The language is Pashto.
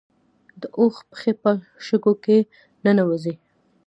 د اوښ پښې په شګو کې نه ننوځي